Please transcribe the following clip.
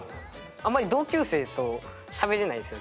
あんまり同級生としゃべれないんですよ